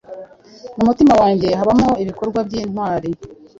mumutima wanjye, habamo ibikorwa byintwari